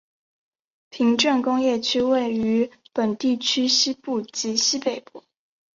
平镇工业区位于本地区西部及西北部。